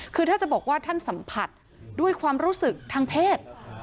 คือถ้าจะบอกว่าท่านสัมผัสด้วยความรู้สึกทางเพศ